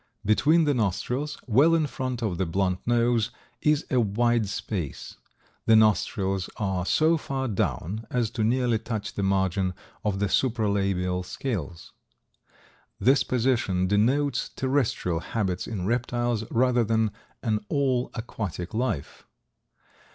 Between the nostrils, well in front of the blunt nose, is a wide space. The nostrils are so far down as to nearly touch the margin of the supra labial scales. This position denotes terrestrial habits in reptiles rather than an all aquatic life.